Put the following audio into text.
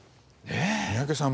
三宅さん